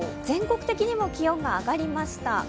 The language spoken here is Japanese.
全国的にも気温が上がりました。